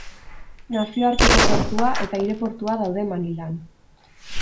Nazioarteko portua eta aireportua daude Manilan.